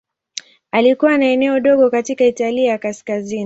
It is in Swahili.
Alikuwa na eneo dogo katika Italia ya Kaskazini.